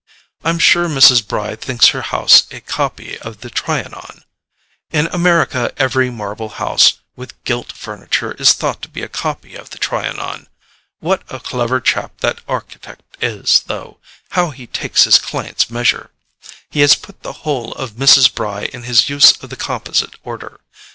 I'm sure Mrs. Bry thinks her house a copy of the TRIANON; in America every marble house with gilt furniture is thought to be a copy of the TRIANON. What a clever chap that architect is, though—how he takes his client's measure! He has put the whole of Mrs. Bry in his use of the composite order.